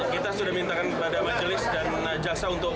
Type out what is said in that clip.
kita sudah mintakan kepada majelis dan jaksa untuk